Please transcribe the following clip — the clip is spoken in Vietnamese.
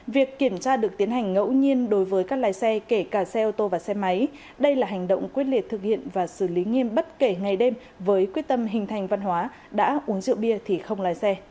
việc kiểm tra được tiến hành ngẫu nhiên đối với các lái xe kể cả xe ô tô và xe máy đây là hành động quyết liệt thực hiện và xử lý nghiêm bất kể ngày đêm với quyết tâm hình thành văn hóa đã uống rượu bia thì không lái xe